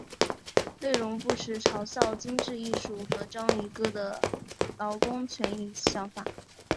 内容不时嘲笑精致艺术和章鱼哥的劳工权益想法。